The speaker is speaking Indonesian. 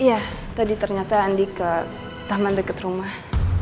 iya tadi ternyata andi ke taman dekat rumah